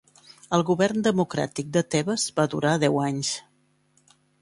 El govern democràtic de Tebes va durar deu anys.